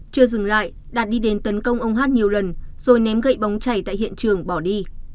chưa dừng lại đạt đi đến tấn công ông hát nhiều lần rồi ném gậy bóng chảy tại hiện trường bỏ đi